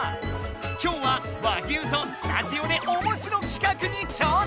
今日は和牛とスタジオでおもしろ企画に挑戦！